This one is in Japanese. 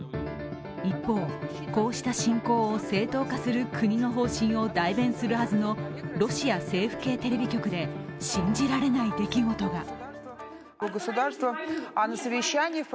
一方、こうした侵攻を正当化する国の方針を代弁するはずのロシア政府系テレビ局で信じられない出来事が。